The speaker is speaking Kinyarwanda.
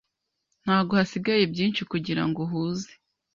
Ntabwo hasigaye byinshi kugirango uhuze